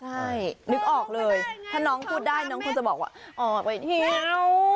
ใช่นึกออกเลยถ้าน้องพูดได้น้องคงจะบอกว่าออกไปเที่ยว